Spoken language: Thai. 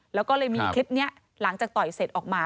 แล้วก็เลยมีคลิปนี้หลังจากต่อยเสร็จออกมา